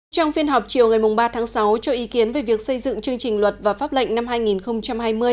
trong phiên họp chiều ngày ba tháng sáu cho ý kiến về việc xây dựng chương trình luật và pháp lệnh năm hai nghìn hai mươi